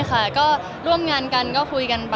อ๋อไม่ค่ะก็ร่วมงานกันก็คุยกันปกติค่ะ